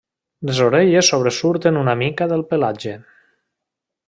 Les orelles sobresurten una mica del pelatge.